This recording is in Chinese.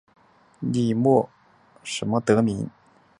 粟末靺鞨得名。